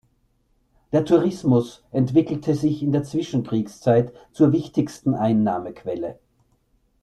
Der Tourismus entwickelte sich in der Zwischenkriegszeit zur wichtigsten Einnahmequelle.